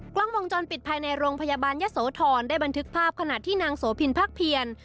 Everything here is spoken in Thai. กล้องวงจรปิดภายในโรงพยาบาลยะโสธรได้บันทึกภาพขณะที่นางโสพินพักเพียร